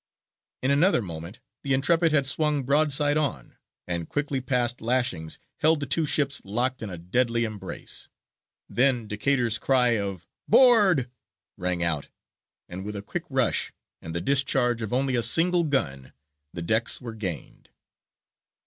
In another moment the Intrepid had swung broadside on, and quickly passed lashings held the two ships locked in a deadly embrace. Then Decatur's cry of "board" rang out, and with a quick rush, and the discharge of only a single gun, the decks were gained.